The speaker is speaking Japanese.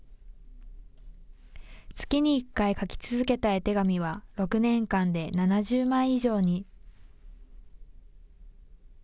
月に１回、描き続けた絵手紙は６年間で７０枚以上に。